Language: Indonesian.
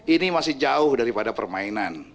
ini masih jauh daripada permainan